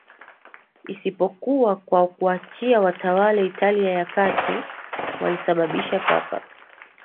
Isipokuwa kwa kuwaachia watawale Italia ya Kati walisababisha Papa